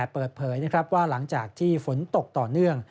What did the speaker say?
เปิดเผยว่าหลังจากที่ฝนตกต่อเนื่อง